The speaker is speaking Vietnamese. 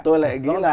tôi lại nghĩ là